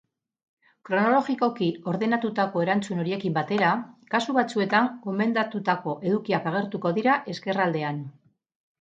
Kronologikoki ordenatutako erantzun horiekin batera, kasu batzuetan gomendatutako edukiak agertuko dira ezkerraldean.